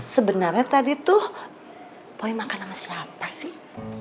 sebenarnya tadi tuh poin makan sama siapa sih